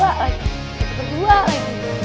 lagi lagi mereka berdua lagi